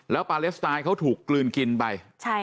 แล้วภาเลสไทยเขาถูกกลืนกินไป